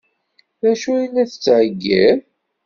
D acu i la d-tettheggiḍ?